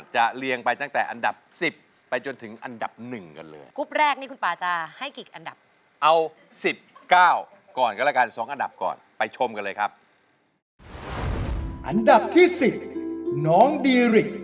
จะเรียงไปตั้งแต่อันดับ๑๐ไปจนถึงอันดับ๑กันเลย